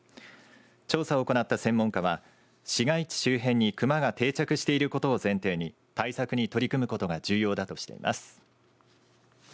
調査を行った専門家は市街地周辺にクマが定着していることを前提に対策に取り組むことが重要だとしています。